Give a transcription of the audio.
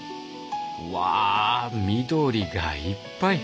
うわ緑がいっぱい。